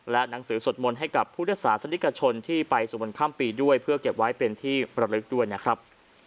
และหนังสือสวดมนต์ให้กับพุทธศาสนิกชนที่ไปสวดมนต์ข้ามปีด้วยเพื่อเก็บไว้เป็นที่ประลึกด้วยนะครับ